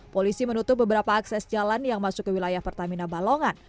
polisi menutup beberapa akses jalan yang masuk ke wilayah pertamina balongan